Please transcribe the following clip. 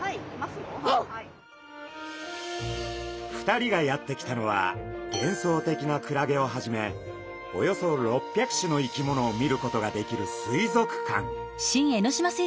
２人がやってきたのは幻想的なクラゲをはじめおよそ６００種の生き物を見ることができる水族館。